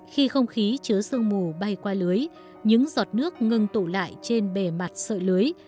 khi không khí chứa sương mù bay qua lưới những giọt nước ngưng tụ lại trên bề mặt sợi lưới